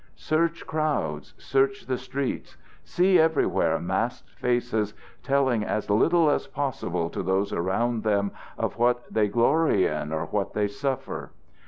Search crowds, search the streets. See everywhere masked faces, telling as little as possible to those around them of what they glory in or what they suffer.